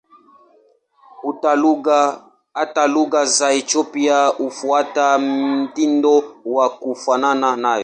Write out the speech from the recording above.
Hata lugha za Ethiopia hufuata mtindo wa kufanana nayo.